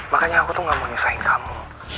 makanya aku tuh gak mau nisain kamu